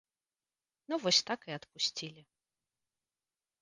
Ну вось так і адпусцілі.